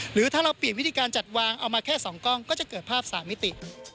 หรือถ้าเราเปลี่ยนวิธีการจัดวางเอามาแค่๒กล้องก็จะเกิดภาพ๓มิติ